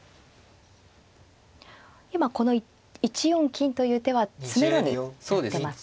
今この１四金という手は詰めろになってますか？